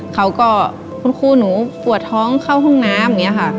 เขาก็คุณครูหนูปวดท้องเข้าห้องน้ำอย่างนี้ค่ะ